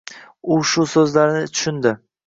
U shu so‘zlarini tushundi.